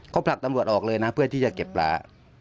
เขาผลักตำรวจออกเลยนะเพื่อที่จะเก็บปลา